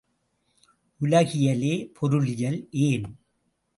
உலகியலே பொருளியல், ஏன்?